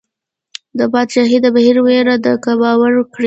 بادشاهي د بحر وبر ده که باور کړې